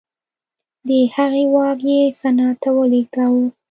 د هغې واک یې سنا ته ولېږداوه